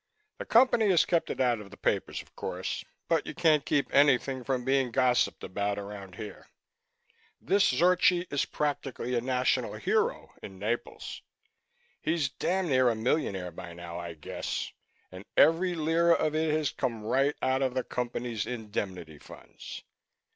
"The Company has kept it out of the papers, of course, but you can't keep anything from being gossiped about around here. This Zorchi is practically a national hero in Naples. He's damn near a millionaire by now, I guess, and every lira of it has come right out of the Company's indemnity funds.